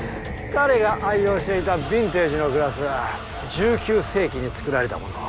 彼が愛用していたヴィンテージのグラスは１９世紀に作られたもの。